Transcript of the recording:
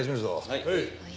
はい。